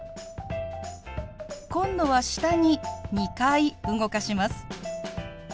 今度は下に２回動かします。